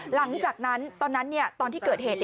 หลังจากนั้นตอนนั้นตอนที่เกิดเหตุ